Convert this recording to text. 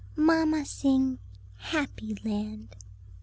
Mamma sing 'Happy land.'"